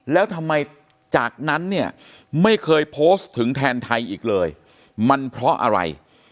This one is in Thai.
แล้วทำไมจากนั้นเนี่ยไม่เคยโพสต์ถึงแทนไทยอีกเลยมันเพราะอะไร